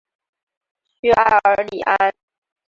屈埃尔里安。